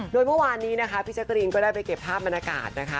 โดยเมื่อวานนี้นะคะพี่แจ๊กรีนก็ได้ไปเก็บภาพบรรยากาศนะคะ